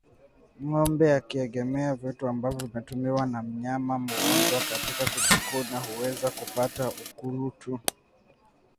Ngombe akiegemea vitu ambavyo vimetumiwa na mnyama mgonjwa katika kujikuna huweza kupata ukurutu